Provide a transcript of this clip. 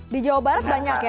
di jawa barat banyak ya